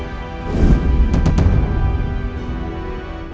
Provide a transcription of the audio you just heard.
itu aku ngately disini pak